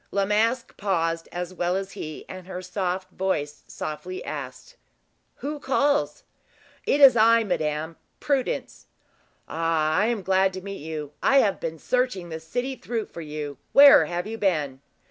La Masque paused as well as he, and her soft voice softly asked: "Who calls?" "It is I, madame Prudence." "Ah! I am glad to meet you. I have been searching the city through for you. Where have you been?"